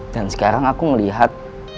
dan sekarang aku melihat